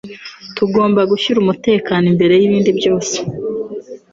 Tugomba gushyira umutekano imbere y'ibindi byose.